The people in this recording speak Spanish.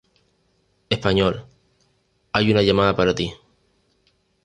Español: Hay una llamada para ti.